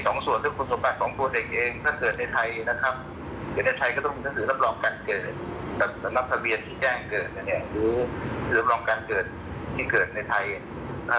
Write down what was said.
แง่เปลี่ยนภาคคำอะไรอย่างนี้เขาก็